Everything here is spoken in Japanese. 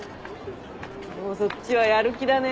そっちはやる気だね。